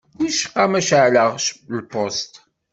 Wicqa ma ceεleɣ lpusṭ?